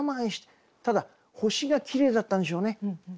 ただ星がきれいだったんでしょうね。